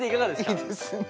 いいですね。